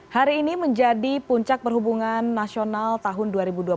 hari ini menjadi puncak perhubungan nasional tahun dua ribu dua puluh